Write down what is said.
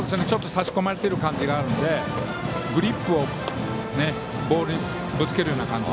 差し込まれている感じがあるのでグリップをボールにぶつけるような感じ。